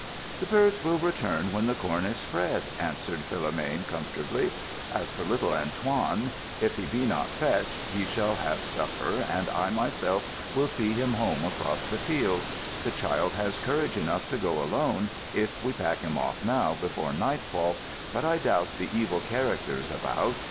"The birds will return when the corn is spread," answered Philomène comfortably. "As for little Antoine, if he be not fetched, he shall have supper, and I myself will see him home across the fields. The child has courage enough to go alone, if we pack him off now, before nightfall; but I doubt the evil characters about.